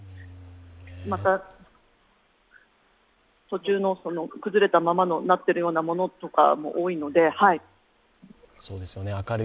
また途中の崩れたままになっているようなものも多いので。